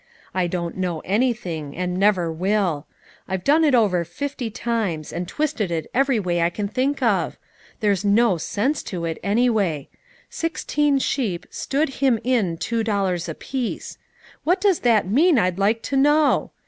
I don't know anything, and never will. I've done it over fifty times, and twisted it every way I can think of. There's no sense to it, any way, sixteen sheep stood him in two dollars apiece. What does that mean, I'd like to know?